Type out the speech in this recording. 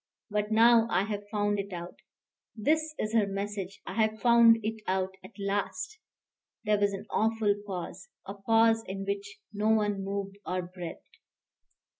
But now I have found it out. This is her message. I have found it out at last." There was an awful pause, a pause in which no one moved or breathed.